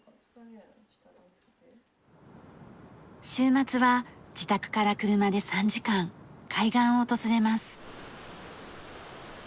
週末は自宅から車で３時間海岸を訪れます。